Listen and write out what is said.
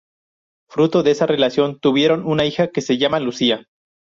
Fruto de esa relación, tuvieron una hija que se llama Lucía.